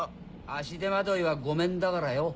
足手まといはごめんだからよ。